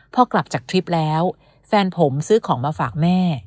พอกลับจากทริปแล้วแฟนผมซื้อของมาฝากแม่